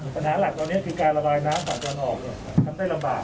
ปัญหาหลักตอนนี้คือการระบายน้ำฝั่งตะวันออกเนี่ยมันได้ลำบาก